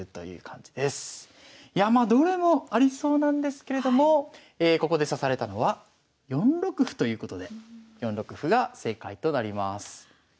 いやまあどれもありそうなんですけれどもここで指されたのは４六歩ということで４六歩が正解となります。